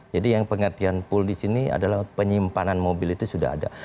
jadi yang pengertian pool di sini adalah penyimpanan mobil itu sudah ada